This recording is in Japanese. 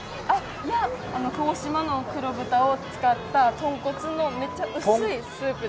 いや鹿児島の黒豚を使った豚骨のめっちゃ薄いスープです。